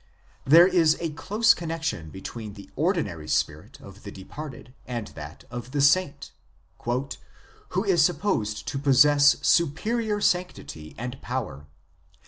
There is a close connexion between the ordinary spirit of the departed and that of the saint " who is supposed to possess superior sanctity and power."